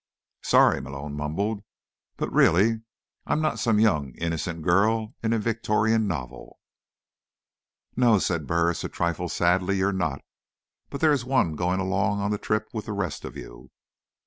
"Sorry," Malone mumbled. "But, really, I'm not some young, innocent girl in a Victorian novel." "No," Burris said, a trifle sadly, "you're not. But there is one going along on the trip with the rest of you."